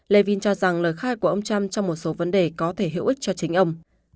levin cho rằng lời khai của ông trump trong một số vấn đề có thể hữu ích cho chính ông